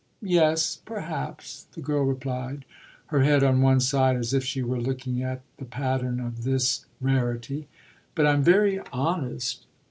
"Yes perhaps," the girl replied, her head on one side as if she were looking at the pattern of this rarity. "But I'm very honest."